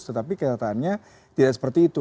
tentangnya tidak seperti itu